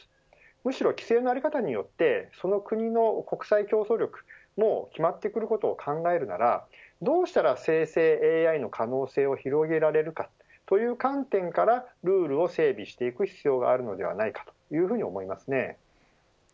むしろ、規制の在り方によってその国の国際競争力も決まってくることを考えるならどうしたら生成ＡＩの可能性を広げられるかという観点からルールを整備していく必要があるのではないかというふうに思いますね。